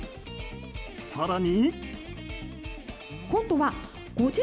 更に。